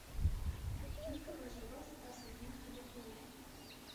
Գիրքը բաժանված է տասնհինգ գլուխների։